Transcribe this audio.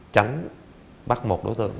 chẳng bắt một đối tượng